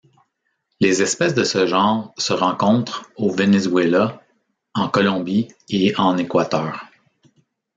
Les espèces de ce genre se rencontrent au Venezuela, en Colombie et en Équateur.